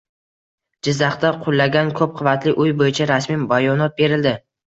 Jizzaxda qulagan ko‘p qavatli uy bo‘yicha rasmiy bayonot berildi